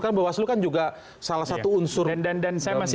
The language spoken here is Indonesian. pak waslu kan juga salah satu unsur dalam demokrasi